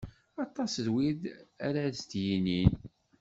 Aṭas n wid ara d as-yinin.